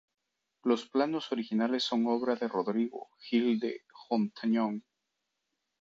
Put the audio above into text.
Los planos originales son obra de Rodrigo Gil de Hontañón.